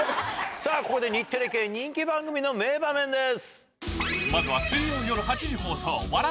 さぁここで日テレ系人気番組の名場面です。